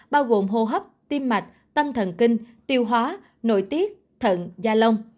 bao gồm hô hấp tim mạch tâm thần kinh tiêu hóa nội tiết thận da lông